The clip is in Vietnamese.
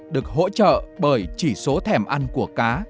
được hỗ trợ bởi chỉ số thèm ăn của cá